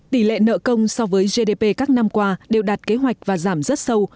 tỷ lệ nợ công so với gdp các năm qua đều đạt kế hoạch và giảm rất sâu